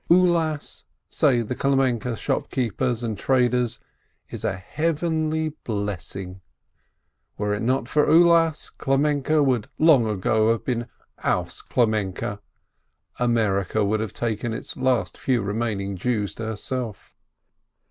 "Ulas," say the Klemenke shopkeepers and traders, "is a Heavenly blessing; were it not for Ulas, Klemenke would long ago have been 'aus Klemenke,' America would have taken its last few remaining Jews to herself."